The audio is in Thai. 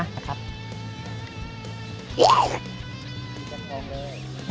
กินจากฟองเลย